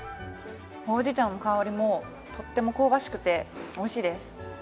ほうじ茶の香りもとっても香ばしくて、おいしいです。